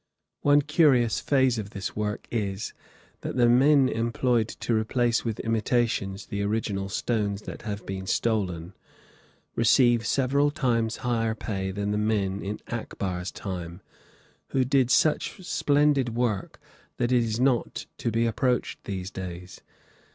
One curious phase of this work is, that the men employed to replace with imitations the original stones that have been stolen receive several times higher pay than the men in Akbar's time, who did such splendid work that it is not to be approached, these days.